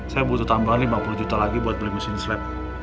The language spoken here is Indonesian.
saya butuh tambahan lima puluh juta lagi buat beli mesin swab